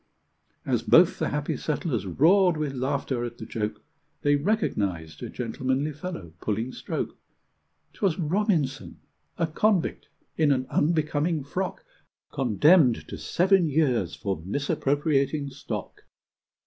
As both the happy settlers roared with laughter at the joke, They recognized a gentlemanly fellow pulling stroke: 'Twas Robinson a convict, in an unbecoming frock! Condemned to seven years for misappropriating stock!!!